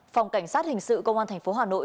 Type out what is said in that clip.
phòng cảnh sát hình sự công an tp hà nội